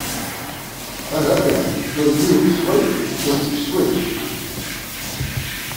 Ҳәарада, уаргьы уԥсуеит, даргьы ԥсуеит.